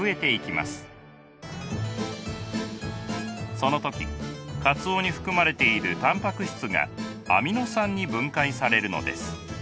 その時かつおに含まれているたんぱく質がアミノ酸に分解されるのです。